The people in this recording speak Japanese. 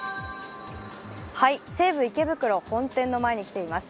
西武池袋本店の前に来ています。